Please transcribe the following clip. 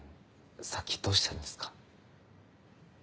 さっきどうしたんですか？